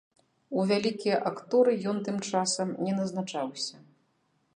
У вялікія акторы ён тым часам не назначаўся.